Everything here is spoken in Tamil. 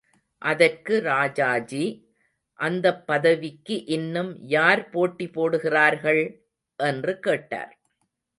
அதற்கு ராஜாஜி, அந்தப் பதவிக்கு இன்னும் யார் போட்டி போடுகிறார்கள்? என்று கேட்டார்.